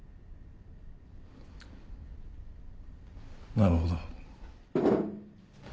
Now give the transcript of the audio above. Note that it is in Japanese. なるほど。